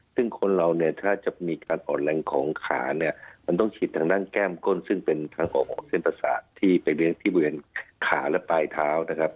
ซึ่งคนเราเนี่ยถ้าจะมีการอ่อนแรงของขาเนี่ยมันต้องฉีดทางด้านแก้มก้นซึ่งเป็นทางออกเส้นประสาทที่ไปที่บริเวณขาและปลายเท้านะครับ